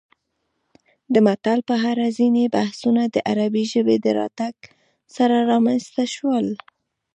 د متل په اړه ځینې بحثونه د عربي ژبې د راتګ سره رامنځته شول